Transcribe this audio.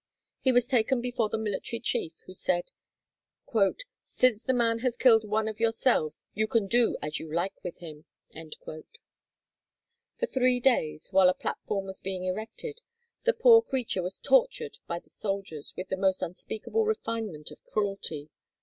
He was taken before the military chief who said, "Since the man has killed one of yourselves you can do as you like with him." For three days, while a platform was being erected, the poor creature was tortured by the soldiers with the most unspeakable refinement of cruelty.